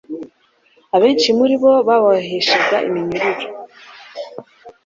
abenshi muri bo bababoheshaga iminyururu,